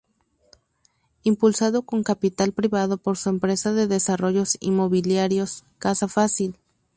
Impulsado con capital privado por su empresa de desarrollos inmobiliarios Casa Fácil.